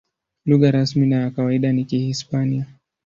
Lugha rasmi na ya kawaida ni Kihispania.